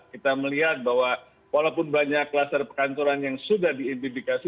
kita melihat bahwa walaupun banyak kluster perkantoran yang sudah diidentifikasi